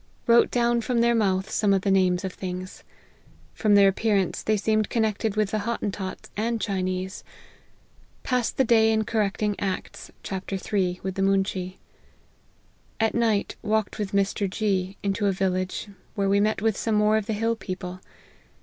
Wrote down from their mouth some of the names of things. From their appearance, they seemed connected with the Hottentots and Chinese. Passed the day in correcting Acts, chapter iii. with the moonshee. At night walked with Mr. G , into a village, where we met with some more of the hill people.